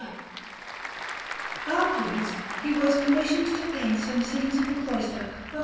Panel_)] Afterwards he was commissioned to paint some scenes in the cloister of S.